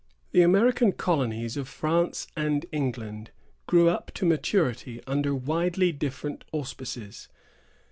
The American colonies of France and England grew up to maturity under widely different auspices.